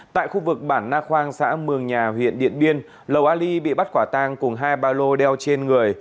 tại khu vực bản na khoang xã mường nhà huyện điện biên lầu ali bị bắt quả tang cùng hai ba lô đeo trên người